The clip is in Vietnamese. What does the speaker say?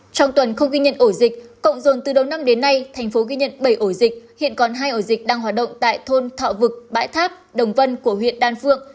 trong tuần không ghi nhận ổ dịch cộng dồn từ đầu năm đến nay thành phố ghi nhận bảy ổ dịch hiện còn hai ổ dịch đang hoạt động tại thôn thọ vực bãi tháp đồng vân của huyện đan phượng